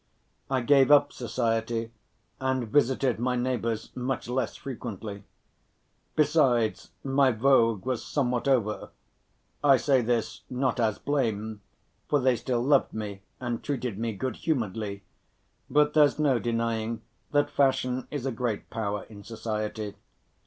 I gave up society and visited my neighbors much less frequently. Besides, my vogue was somewhat over. I say this, not as blame, for they still loved me and treated me good‐humoredly, but there's no denying that fashion is a great power in society.